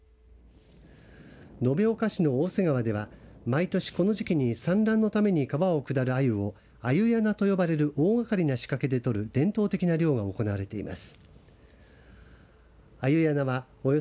延岡市の大瀬川では毎年、この時期に産卵のために川を下るアユを鮎やなと呼ばれる大掛かりな仕掛けを使って伝統的な漁が行われています。